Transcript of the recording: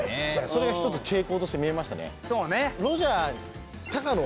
それが一つ傾向として見えましたね。